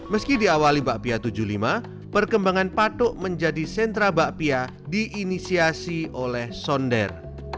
meski diawali bakpia tujuh puluh lima perkembangan patuk menjadi sentra bakpia diinisiasi oleh sonder